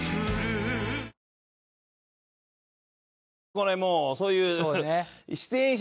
これもうそういう。